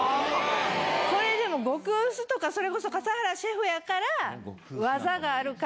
これでも極薄とかそれこそ笠原シェフやから。